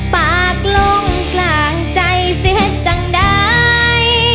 ปากลงกลางใจเสียจังใด